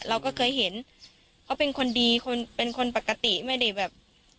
เราก็เคยเห็นเขาเป็นคนดีคนเป็นคนปกติไม่ได้แบบ